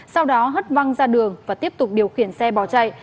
sau đó hất văng ra đường và tiếp tục điều khiển xe bỏ chạy